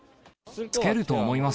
着けると思います。